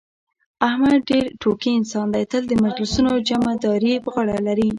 احمد ډېر ټوکي انسان دی، تل د مجلسونو جمعه داري په غاړه لري.